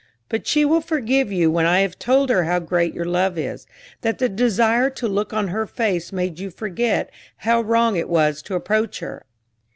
But she will forgive you when I have told her how great your love is, that the desire to look on her face made you forget how wrong it was to approach her."